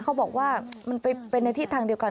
เขาบอกว่ามันเป็นในทิศทางเดียวกัน